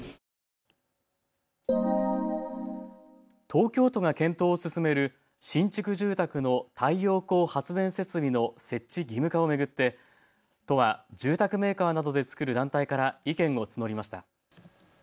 東京都が検討を進める新築住宅の太陽光発電設備の設置義務化を巡って都は住宅メーカーなどで作る団体から意見を募りました。